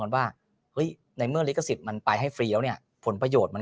ว่าเฮ้ยในเมื่อลิขสิทธิ์มันไปให้เฟรี้ยวเนี่ยผลประโยชน์มัน